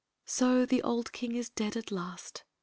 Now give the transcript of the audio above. "So the old king is dead at last!"